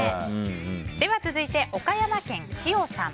では続いて、岡山県の方。